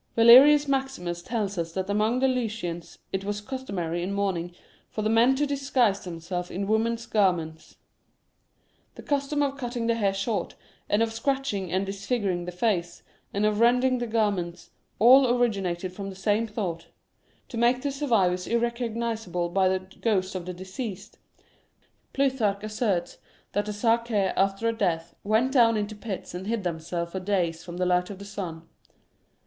Valerius Maximus tells us that among the Lycians it was customary in mourning for the men to disguise themselves in women's garments. The custom of cutting the hair short, and of scratching and disfiguring the face, and of rending the garments, all originated from the same thought — to make the survivors irrecognisable by the ghost of the deceased, Plutarch asserts that the Sac^e, after a death, went down into pits and hid them selves for days from the light of the sun.